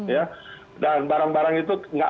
ya dan barang barang itu tidak mungkin